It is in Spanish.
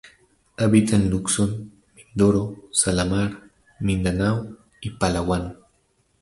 Habita en Luzon, Mindoro, Samar, Mindanao y Palawan.